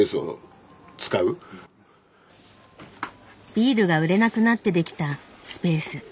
ビールが売れなくなってできたスペース。